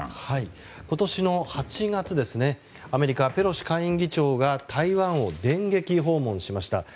今年の８月アメリカ、ペロシ下院議長が台湾を電撃訪問しました。